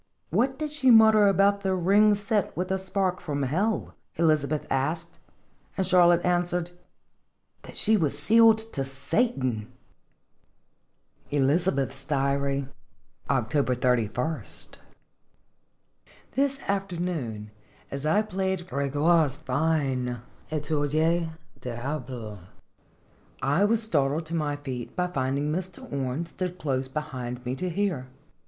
"What did she mutter about a ring set with a spark from hell? " Elizabeth asked. And Charlotte answered: " That she was sealed to Satan !" ELIZABETH'S DIARY. October 31. This afternoon, as I played Gr6goire's fine "Etude du Diable," I was startled to my feet by finding Mr. Orne stood close behind me to hear.